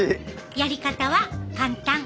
やり方は簡単。